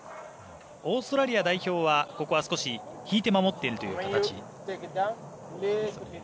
オーストラリア代表はここは引いて守っているという形。